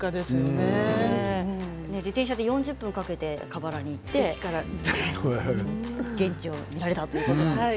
自転車で４０分かけて河原に行って現地を見られたということです。